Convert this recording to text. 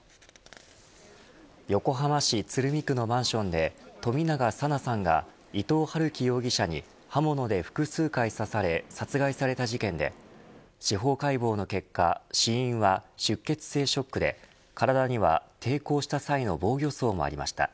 横浜市鶴見区のマンションで冨永紗菜さんが伊藤龍稀容疑者に刃物で複数回刺され殺害された事件で司法解剖の結果、死因は出血性ショックで体には、抵抗した際の防御そうもありました。